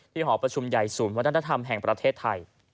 หอประชุมใหญ่ศูนย์วัฒนธรรมแห่งประเทศไทย